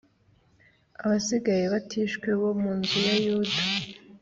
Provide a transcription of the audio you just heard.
Abasigaye batishwe bo mu nzu ya Yuda,